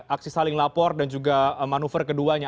aksi saling lapor dan juga manuver keduanya